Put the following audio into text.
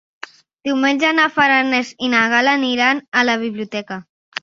Diumenge na Farners i na Gal·la aniran a la biblioteca.